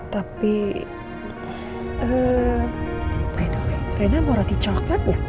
tapi eh rina mau roti coklat ya